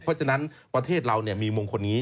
เพราะฉะนั้นประเทศเรามีมงคลนี้